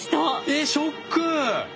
えショック！